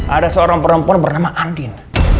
ada seorang perempuan bernama andin